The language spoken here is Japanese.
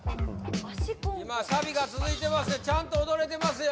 今サビが続いてますよちゃんと踊れてますよ